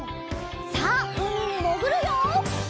さあうみにもぐるよ！